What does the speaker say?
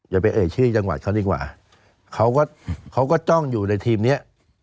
อย่าไปเอ่ยชื่อจังหวัดเขาดีกว่าเขาก็เขาก็จ้องอยู่ในทีมเนี้ย